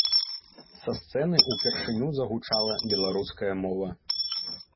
Са сцэны ўпершыню загучала беларуская мова.